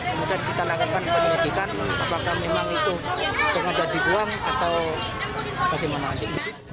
kemudian kita lakukan penyelidikan apakah memang itu pengajar di uang atau bagaimana